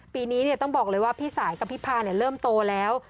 ปีนี้ต้องบอกเลยว่าพี่สายกับพี่พาเริ่มโตแล้ว